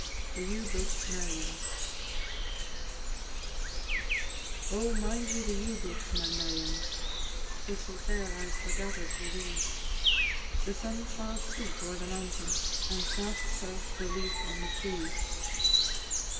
THE EWE BUGHTS, MARION. Oh, mind ye the ewe bughts, my Marion? It was ther I forgather'd wi' thee; The sun smiled sweet ower the mountain, And saft sough'd the leaf on the tree.